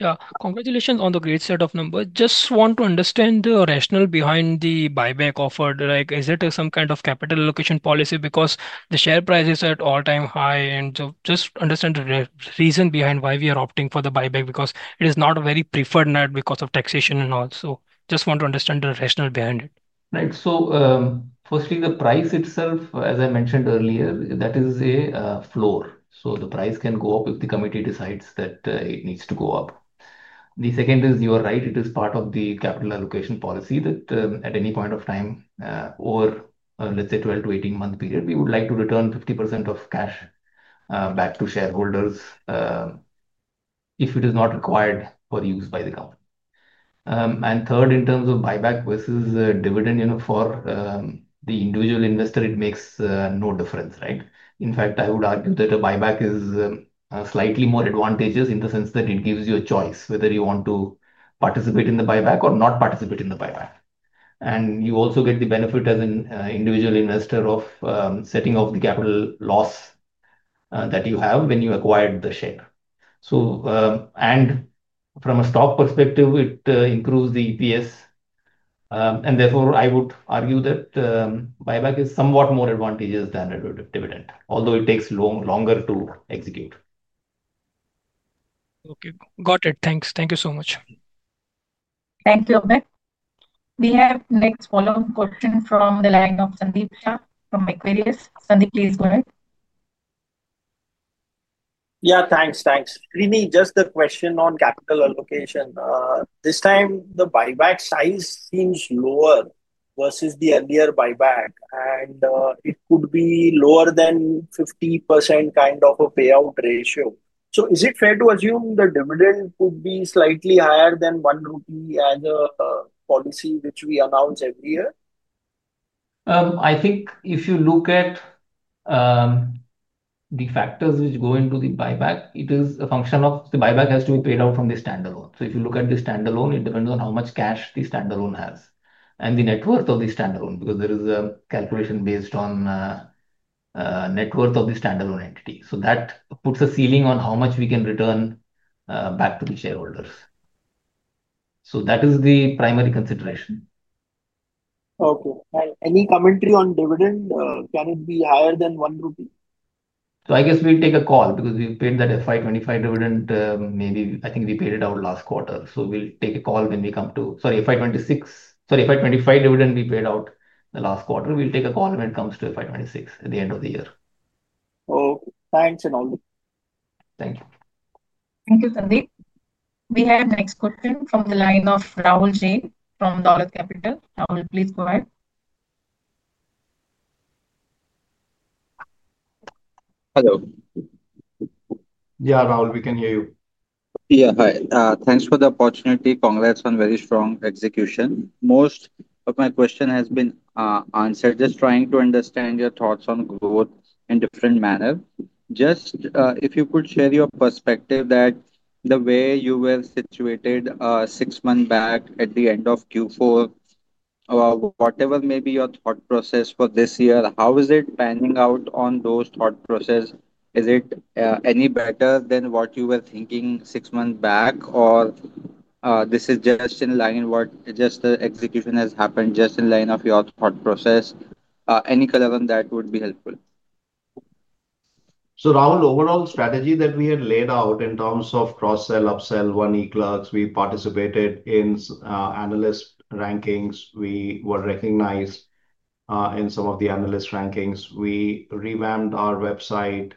Yes. Congratulations on the great set of numbers. Just want to understand the rationale behind the buyback offer. Is it some kind of capital allocation policy because the share price is at all-time high? Just want to understand the reason behind why we are opting for the buyback because it is not a very preferred route because of taxation and all. Just want to understand the rationale behind it. Right. Firstly, the price itself, as I mentioned earlier, is a floor. The price can go up if the committee decides that it needs to go up. Second, you are right, it is part of the capital allocation policy that at any point of time, over, let's say, a 12 to 18-month period, we would like to return 50% of cash back to shareholders if it is not required for use by the company. Third, in terms of buyback versus dividend, you know, for the individual investor, it makes no difference, right? In fact, I would argue that a buyback is slightly more advantageous in the sense that it gives you a choice whether you want to participate in the buyback or not participate in the buyback. You also get the benefit as an individual investor of setting off the capital loss that you have when you acquired the share. From a stock perspective, it improves the EPS, and therefore, I would argue that buyback is somewhat more advantageous than a dividend, although it takes longer to execute. Okay, got it. Thanks. Thank you so much. Thank you, Abai. We have next follow-up question from the line of Sandeep Shah from Equiris. Sandeep, please go ahead. Thanks. Rini, just a question on capital allocation. This time, the buyback size seems lower versus the earlier buyback, and it could be lower than 50% kind of a payout ratio. Is it fair to assume the dividend could be slightly higher than 1 rupee as a policy which we announce every year? I think if you look at the factors which go into the buyback, it is a function of the buyback has to be paid out from the standalone. If you look at the standalone, it depends on how much cash the standalone has and the net worth of the standalone because there is a calculation based on net worth of the standalone entity. That puts a ceiling on how much we can return back to the shareholders. That is the primary consideration. Okay. Any commentary on dividend? Can it be higher than 1 rupee? I guess we'll take a call because we've paid that FY 2025 dividend. I think we paid it out last quarter. We'll take a call when we come to, sorry, FY 2026. Sorry. FY 2025 dividend we paid out the last quarter. We'll take a call when it comes to FY 2026 at the end of the year. Oh, thanks and all that. Thank you. Thank you, Sandeep. We have next question from the line of Rahul Jain from Dolat Capital. Rahul, please go ahead. Hello. Yeah, Rahul, we can hear you. Yeah. Hi. Thanks for the opportunity. Congrats on very strong execution. Most of my question has been answered. Just trying to understand your thoughts on growth in a different manner. If you could share your perspective that the way you were situated six months back at the end of Q4, whatever may be your thought process for this year, how is it panning out on those thought process? Is it any better than what you were thinking six months back, or this is just in line with what the execution has happened, just in line of your thought process? Any color on that would be helpful. Rahul, overall strategy that we had laid out in terms of cross-sell, upsell, one eClerx, we participated in analyst rankings. We were recognized in some of the analyst rankings. We revamped our website,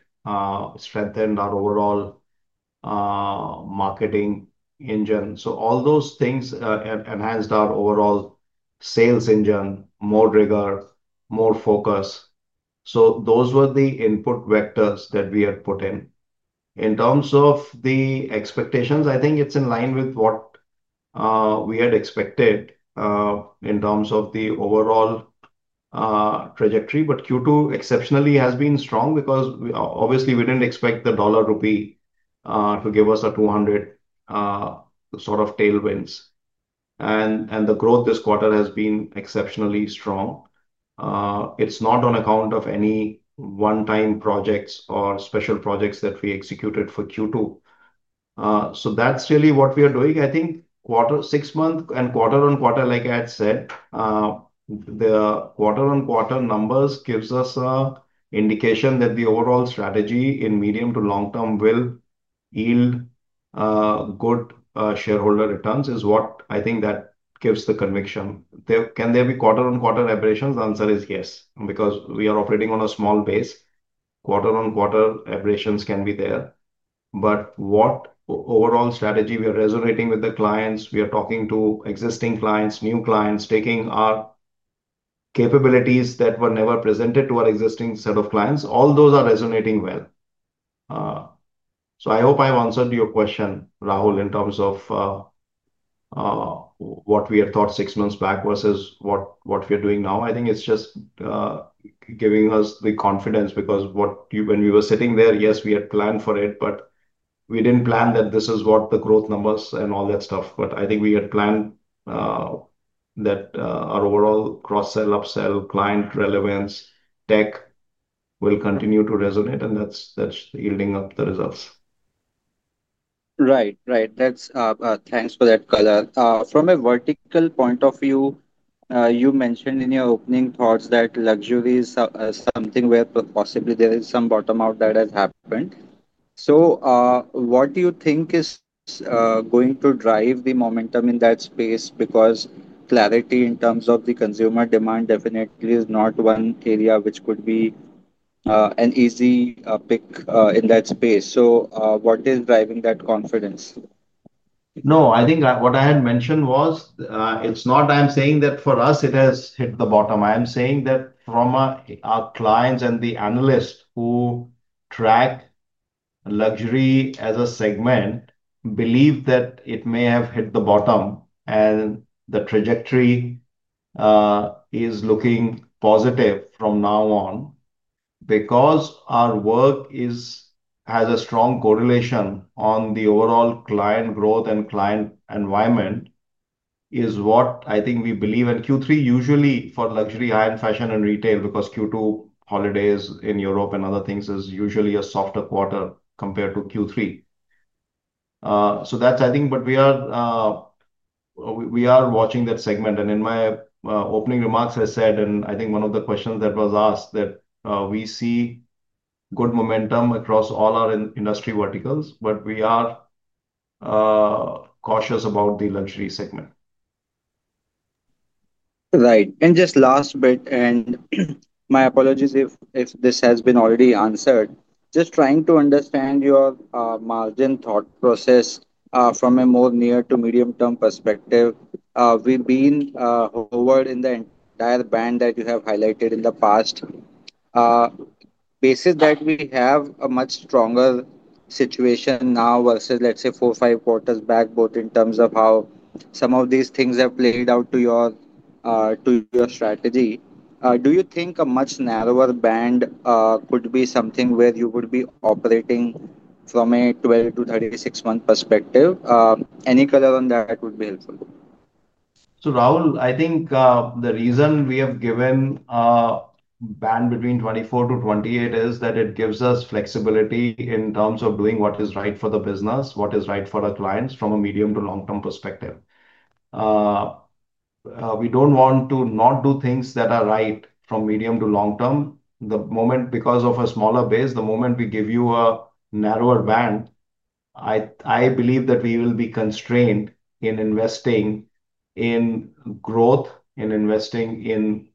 strengthened our overall marketing engine. All those things enhanced our overall sales engine, more rigor, more focus. Those were the input vectors that we had put in. In terms of the expectations, I think it's in line with what we had expected in terms of the overall trajectory. Q2 exceptionally has been strong because obviously, we didn't expect the dollar rupee to give us a 200 sort of tailwinds. The growth this quarter has been exceptionally strong. It's not on account of any one-time projects or special projects that we executed for Q2. That's really what we are doing. I think six months and quarter on quarter, like I had said, the quarter on quarter numbers give us an indication that the overall strategy in medium to long term will yield good shareholder returns is what I think that gives the conviction. Can there be quarter on quarter aberrations? The answer is yes because we are operating on a small base. Quarter on quarter aberrations can be there. What overall strategy we are resonating with the clients, we are talking to existing clients, new clients, taking our capabilities that were never presented to our existing set of clients, all those are resonating well. I hope I've answered your question, Rahul, in terms of what we had thought six months back versus what we are doing now. I think it's just giving us the confidence because when we were sitting there, yes, we had planned for it, but we didn't plan that this is what the growth numbers and all that stuff. I think we had planned that our overall cross-sell, upsell, client relevance, tech will continue to resonate, and that's yielding up the results. Right. Thanks for that color. From a vertical point of view, you mentioned in your opening thoughts that luxury is something where possibly there is some bottom-out that has happened. What do you think is going to drive the momentum in that space? Clarity in terms of the consumer demand definitely is not one area which could be an easy pick in that space. What is driving that confidence? No, I think what I had mentioned was it's not that I'm saying that for us it has hit the bottom. I'm saying that from our clients and the analysts who track luxury as a segment believe that it may have hit the bottom, and the trajectory is looking positive from now on because our work has a strong correlation on the overall client growth and client environment is what I think we believe. Q3 usually for luxury, high-end fashion, and retail because Q2 holidays in Europe and other things is usually a softer quarter compared to Q3. That's, I think, but we are watching that segment. In my opening remarks, I said, and I think one of the questions that was asked that we see good momentum across all our industry verticals, but we are cautious about the luxury segment. Right. Just last bit, and my apologies if this has been already answered. Just trying to understand your margin thought process from a more near to medium-term perspective. We've been hovered in the entire band that you have highlighted in the past. Basis that we have a much stronger situation now versus, let's say, four or five quarters back, both in terms of how some of these things have played out to your strategy. Do you think a much narrower band could be something where you would be operating from a 12 to 36-month perspective? Any color on that would be helpful. I think the reason we have given a band between 24%-28% is that it gives us flexibility in terms of doing what is right for the business, what is right for our clients from a medium to long-term perspective. We don't want to not do things that are right from medium to long term. The moment, because of a smaller base, the moment we give you a narrower band, I believe that we will be constrained in investing in growth, in investing in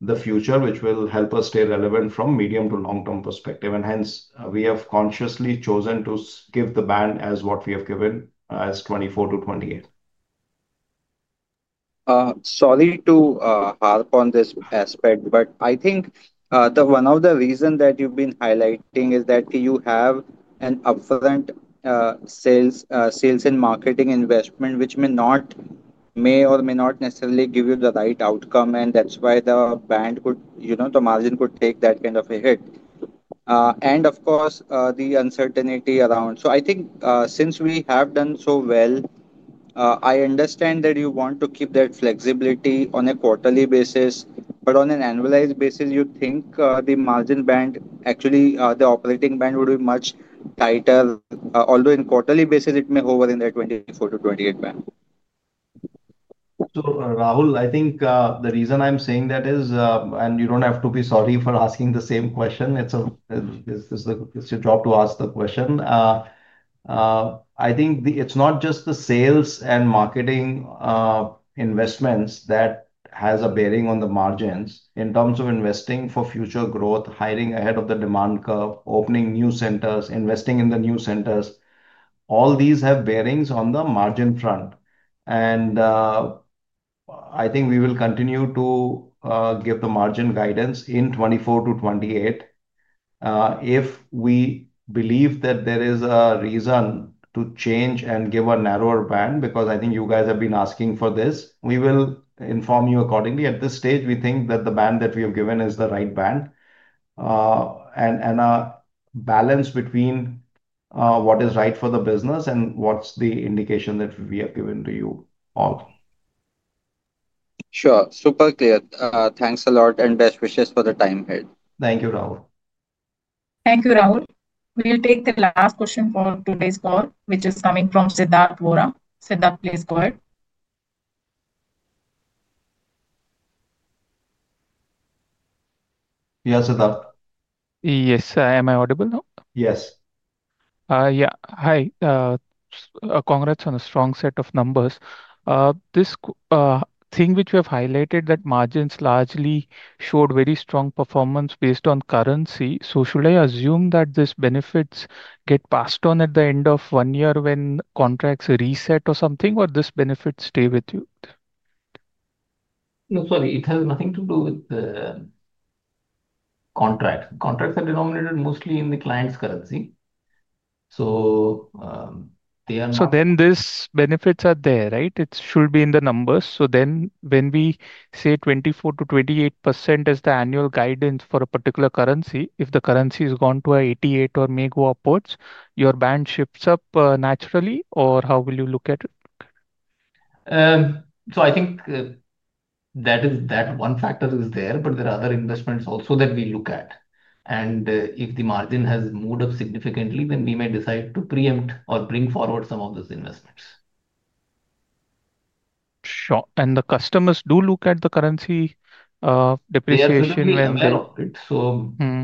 the future, which will help us stay relevant from a medium to long-term perspective. Hence, we have consciously chosen to give the band as what we have given as 24%-28%. Sorry to harp on this aspect, but I think one of the reasons that you've been highlighting is that you have an upfront sales and marketing investment, which may or may not necessarily give you the right outcome. That's why the band could, you know, the margin could take that kind of a hit. Of course, the uncertainty around. I think since we have done so well, I understand that you want to keep that flexibility on a quarterly basis. On an annualized basis, you think the margin band, actually, the operating band would be much tighter. Although on a quarterly basis, it may hover in that 24%-28% band. Rahul, I think the reason I'm saying that is you don't have to be sorry for asking the same question. It's a good job to ask the question. I think it's not just the sales and marketing investments that have a bearing on the margins in terms of investing for future growth, hiring ahead of the demand curve, opening new centers, investing in the new centers. All these have bearings on the margin front. I think we will continue to give the margin guidance in 24%-28% if we believe that there is a reason to change and give a narrower band because I think you guys have been asking for this. We will inform you accordingly. At this stage, we think that the band that we have given is the right band and a balance between what is right for the business and what's the indication that we have given to you all. Sure. Super clear. Thanks a lot. Best wishes for the time ahead. Thank you, Rahul. Thank you, Rahul. We'll take the last question for today's call, which is coming from Siddharth Vora. Siddharth, please go ahead. Yeah, Siddharth. Yes, am I audible now? Yes. Yeah. Hi. Congrats on a strong set of numbers. This thing which you have highlighted that margins largely showed very strong performance based on currency. Should I assume that these benefits get passed on at the end of one year when contracts reset or something, or these benefits stay with you? No, sorry. It has nothing to do with the contracts. Contracts are denominated mostly in the client's currency. These benefits are there, right? It should be in the numbers. When we say 24%-28% is the annual guidance for a particular currency, if the currency has gone to 88 or may go upwards, your band shifts up naturally, or how will you look at it? I think that one factor is there, but there are other investments also that we look at. If the margin has moved up significantly, then we may decide to preempt or bring forward some of those investments. Sure. Customers do look at the currency depreciation when they're offered.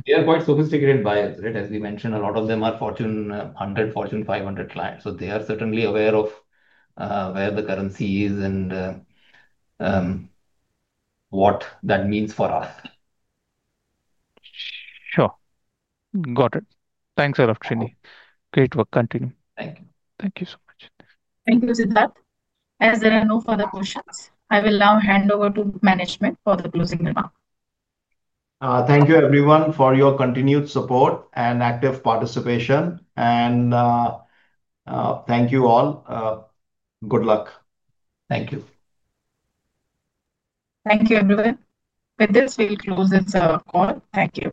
They are quite sophisticated buyers, right? As we mentioned, a lot of them are Fortune 100, Fortune 500 clients. They are certainly aware of where the currency is and what that means for us. Sure. Got it. Thanks a lot, Srinivasan. Great work. Continue. Thank you. Thank you so much. Thank you, Siddharth. As there are no further questions, I will now hand over to management for the closing remarks. Thank you, everyone, for your continued support and active participation. Thank you all. Good luck. Thank you. Thank you, everyone. With this, we'll close this call. Thank you.